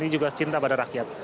dan tni juga cinta pada rakyat